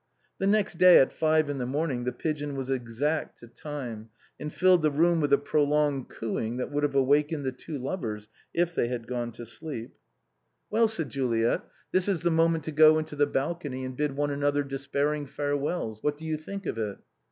The next day at five in the morning the pigeon was exact to time, and filled the room with a prolonged cooing that would have awakened the two lovers — if they had gone to sleep. 303 THE BOHEMIANS OF THE LATIN QUARTER. " Well/' said Juliet, " this is the moment to go into the balcony and bid one another despairing farewells — ^what do you think of it?"